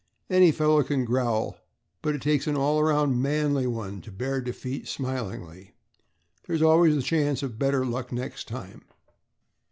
Any fellow can growl but it takes an all around manly one to bear defeat smilingly. There's always the chance of better luck next time."